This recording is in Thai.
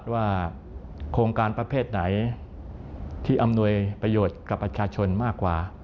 ว่าโครงการประเภทไหนที่อำนวยประโยชน์กับประชาชนมากกว่า